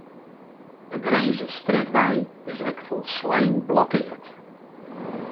De Grinzerstrjitwei is ek folslein blokkeard.